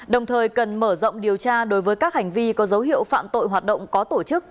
đồng thời cần mở rộng điều tra đối với các hành vi có dấu hiệu phạm tội hoạt động có tổ chức